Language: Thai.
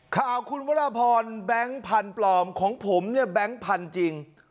ข่าวคุณวรพรแบงค์พันธุ์ปลอมของผมเนี่ยแบงค์พันธุ์จริง